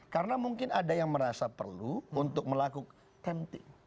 karena mungkin ada yang merasa perlu untuk melakukan tempting